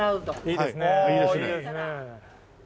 いいですか？